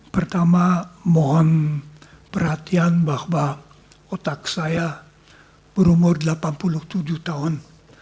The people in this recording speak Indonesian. pertama mohon perhatian bahwa otak saya berumur delapan puluh tujuh tahun